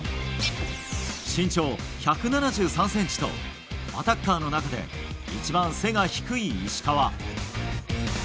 身長１７３ｃｍとアタッカーの中で一番背が低い石川。